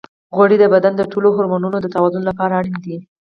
غوړې د بدن د ټولو هورمونونو د توازن لپاره اړینې دي.